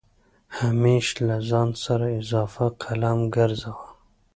همېش له ځان سره اضافه قلم ګرځوه